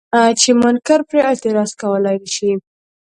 چې منکر پرې اعتراض کولی نه شي.